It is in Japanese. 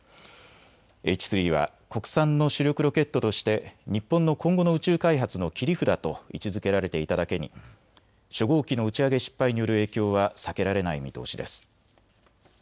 Ｈ３は国産の主力ロケットとして日本の今後の宇宙開発の切り札と位置づけられていただけに初号機の打ち上げ失敗による影響は避けられない見通しです。